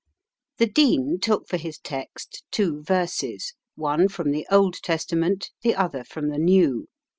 The Dean took for his text two verses, one from the Old Testament, the other from the New.